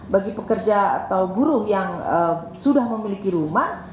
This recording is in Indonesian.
bagi pekerja atau buruh yang sudah memiliki rumah